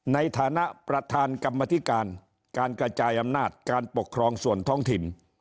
ในฐานะประธานกรรมธิการการกระจายอำนาจการปกครองส่วนท้องถิ่น